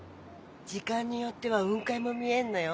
時間によっては雲海も見えんのよ。